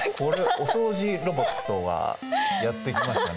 お掃除ロボットがやって来ましたね。